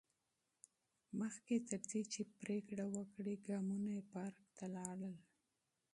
مخکې تر دې چې پرېکړه وکړي، ګامونه یې پارک ته لاړل.